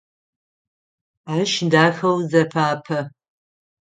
Ащ дахэу зефапэ.